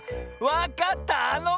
わかったあのこだ！